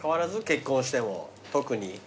結婚しても特に。